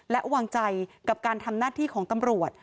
และวางใจกับการทำหน้าที่ของตำรวจ